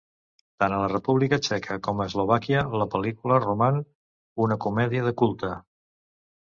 Tant a la República Txeca com a Eslovàquia, la pel·lícula roman una comèdia de culte.